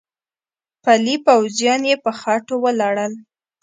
پلي پوځیان يې په خټو ولړل.